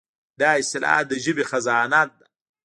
دا اصطلاحات د ژبې خزانه ده.